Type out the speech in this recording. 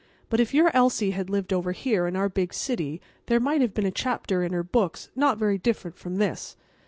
But if your Elsie had lived over here in our big city there might have been a chapter in her books not very different from this.